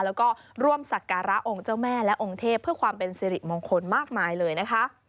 แล้วก็ร่วมสักการะองค์เจ้าแม่และองค์เทพเพื่อความเป็นสิริมงคลมากมายเลยนะคะ